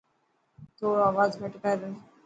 ٿوڙو آواز گهٽ ڪر.